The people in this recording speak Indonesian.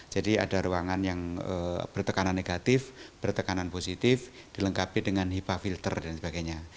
jadi ada ruangan yang bertekanan negatif bertekanan positif dilengkapi dengan hipaa filter dan sebagainya